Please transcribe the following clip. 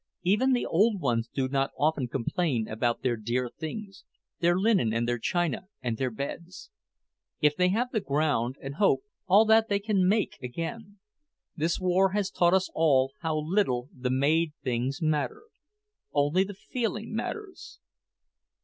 "Even the old ones do not often complain about their dear things their linen, and their china, and their beds. If they have the ground, and hope, all that they can make again. This war has taught us all how little the made things matter. Only the feeling matters."